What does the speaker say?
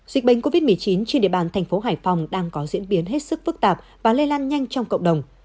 dịch bệnh covid một mươi chín trên địa bàn thành phố hải phòng đang có diễn biến hết sức phức tạp và lây lan nhanh trong cộng đồng